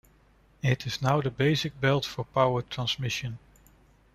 It is now the basic belt for power transmission.